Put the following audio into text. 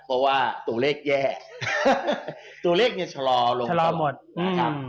เพราะว่าตัวเลขแย่ตัวเลขเนี่ยชะลอลงไป